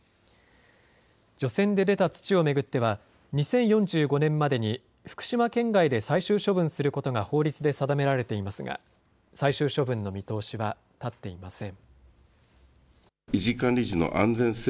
除染で出た土を巡っては２０４５年までに福島県外で最終処分することが法律で定められていますが最終処分の見通しは立っていません。